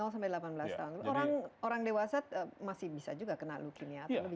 lima sampai delapan belas tahun orang dewasa masih bisa juga kena leukemia atau lebih